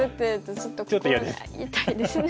ちょっと嫌ですね。